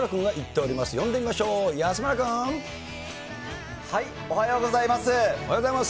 おはようございます。